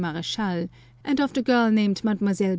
Mar^chal, and of the girl named Madlle.